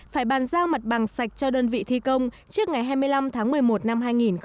phải bàn giao mặt bằng sạch cho đơn vị thi công trước ngày hai mươi năm tháng một mươi một năm hai nghìn hai mươi